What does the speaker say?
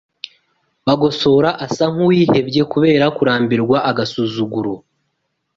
Bagosora asa nk’uwihebye kubera kurambirwa agasuzuguro